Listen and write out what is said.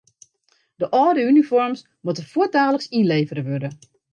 De âlde unifoarms moatte fuortdaliks ynlevere wurde.